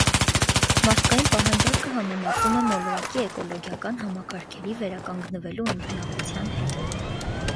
Մարդկային պահանջարկը համեմատվում է մոլորակի էկոլոգիական համակարգերի վերականգնվելու ընդունակության հետ։